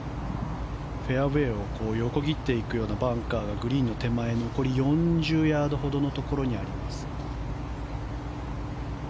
フェアウェーを横切っていくようなバンカーがグリーンの手前残り４０ヤードほどのところにあります。